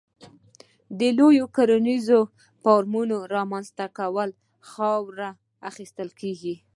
د لویو کرنیزو فارمونو رامنځته کولو کې خاوره اخیستل کېږي.